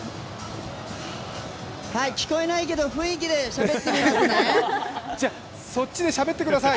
はい、聞こえないけど雰囲気でしゃべってみますね。